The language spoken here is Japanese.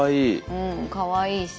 うんかわいいし。